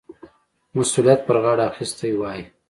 مسؤلیت پر غاړه اخیستی وای.